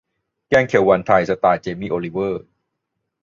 แกงเขียวหวานไทย สไตล์เจมี่ โอลิเวอร์